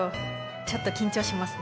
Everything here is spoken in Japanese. ちょっと緊張しますね。